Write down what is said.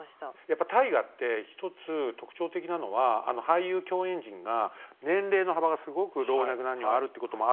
やっぱ「大河」って一つ特徴的なのは俳優共演陣が年齢の幅がすごく老若男女があるってこともあるけど